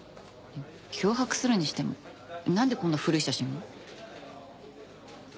脅迫するにしてもなんでこんな古い写真を？